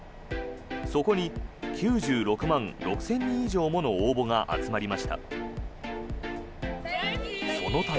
そこに９６万６０００人以上もの応募が集まりました。